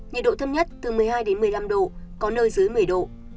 nhiệt độ thâm nhất từ một mươi hai một mươi năm độ có nơi dưới một mươi độ